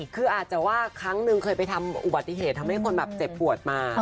คืออาจจะว่าครั้งนึงเคยไปทำอุบัติเหตุทำให้คนแบบเจ็บปวดมา